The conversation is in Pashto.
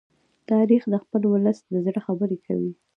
تاریخ د خپل ولس د زړه خبره کوي.